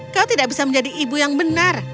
kau tidak bisa menjadi ibu yang benar